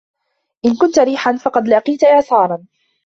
إن كنت ريحا فقد لاقيت إعصارا